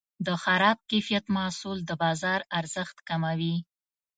د خراب کیفیت محصول د بازار ارزښت کموي.